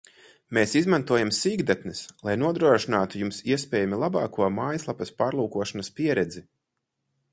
Mēs izmantojam sīkdatnes, lai nodrošinātu Jums iespējami labāko mājaslapas pārlūkošanas pieredzi